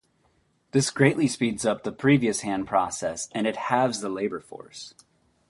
This greatly speeds up the previous hand process, and it halves the labour force.